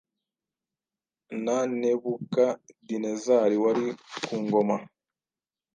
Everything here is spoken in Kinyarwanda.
na Nebukadinezari wari ku ngoma.